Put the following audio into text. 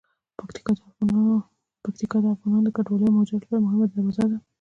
پکتیکا د افغانانو د کډوالۍ او مهاجرت لپاره یوه مهمه دروازه ده.